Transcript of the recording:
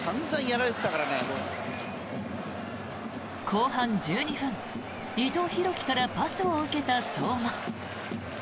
後半１２分伊藤洋輝からパスを受けた相馬。